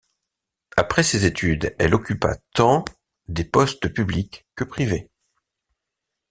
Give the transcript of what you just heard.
Après ses études elle occupa tant des postes publics que privés.